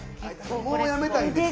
もうやめたいです。